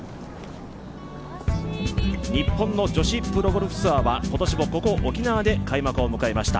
日本の女子プロゴルフツアーは今年もここ、沖縄で開幕を迎えました。